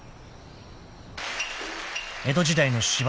［江戸時代の芝居